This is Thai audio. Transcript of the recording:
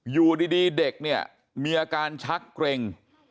อยู่ดีเด็กเนี่ยมีอาการชักเกร็ง